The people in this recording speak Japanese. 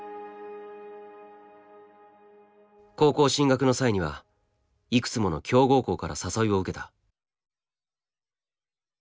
高校進学の際にはいくつもの強豪校から誘いを受けた。